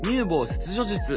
切除術。